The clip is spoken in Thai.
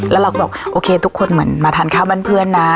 แล้วเราก็บอกโอเคทุกคนเหมือนมาทานข้าวบ้านเพื่อนนะ